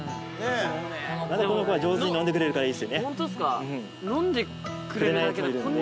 この子は上手に飲んでくれるからいいですよね。